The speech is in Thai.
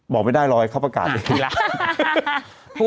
บอกไม่ได้รอให้เข้าประกาศอีกทีแล้ว